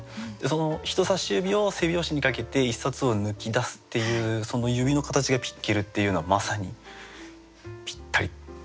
その人差し指を背表紙にかけて一冊を抜き出すっていうその指の形がピッケルっていうのはまさにぴったりです。